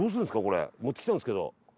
これ持って来たんですけど。